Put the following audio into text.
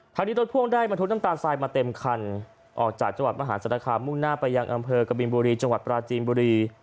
ทางนี้รถพ่วงได้บรรทุกน้ำตาลทรายมาเต็มคันออกจากจังหวัดมหาศาลคามมุ่งหน้าไปยังอำเภอกบินบุรีจังหวัดปราจีนบุรี